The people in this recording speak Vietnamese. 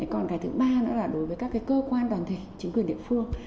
còn cái thứ ba nữa là đối với các cơ quan đoàn thể chính quyền địa phương